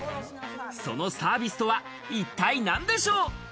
そのサービスとは一体なんでしょう？